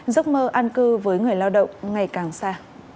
giấc mơ an cư với người lao động ngày càng xa